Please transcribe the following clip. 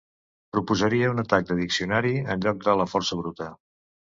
Proposaria un atac de diccionari en lloc de la força bruta.